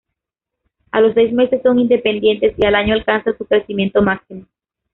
A los seis meses son independientes y al año alcanzan su crecimiento máximo.